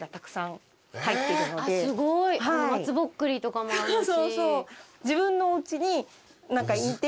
すごい松ぼっくりとかもあるし。